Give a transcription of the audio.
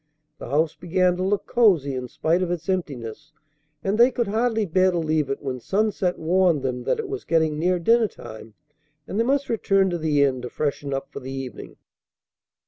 The house began to look cozy in spite of its emptiness, and they could hardly bear to leave it when sunset warned them that it was getting near dinner time and they must return to the inn to freshen up for the evening.